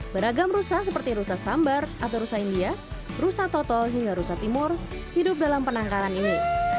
beragam rusa seperti rusa sambar atau rusa india rusa total hingga rusa timur hidup dalam penangkaran ini